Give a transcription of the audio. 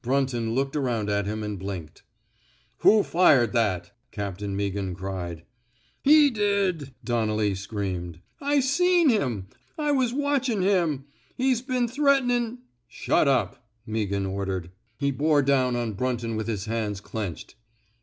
Brunton looked around at him and blinked. Who fired that? '' Captain Meaghan cried. He e e did!'' Donnelly screamed. I seen him. I was watchin' him. He's been threatenin' —"Shut up! " Meaghan ordered. He bore down on Brunton with his hands clenched.